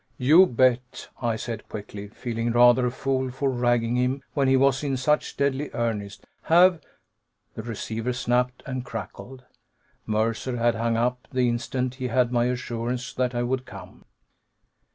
"You bet!" I said quickly, feeling rather a fool for ragging him when he was in such deadly earnest. "Have " The receiver snapped and crackled; Mercer had hung up the instant he had my assurance that I would come.